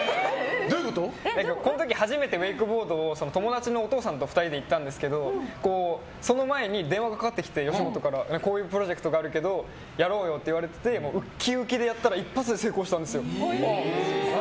この時初めてウェークボードを友達のお父さんと２人で行ったんですけどその前に電話が吉本からかかってきてこういうプロジェクトあるけどやろうよって言われてウキウキでやったら一発で成功したんですよ。